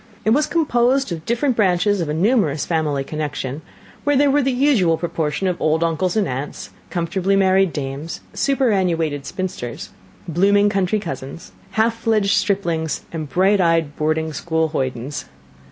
It was composed of different branches of a numerous family connection, where there were the usual proportion of old uncles and aunts, comfortably married dames, superannuated spinsters, blooming country cousins, half fledged striplings, and bright eyed boarding school hoydens.